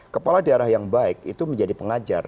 kepala daerah yang baik itu menjadi pengajar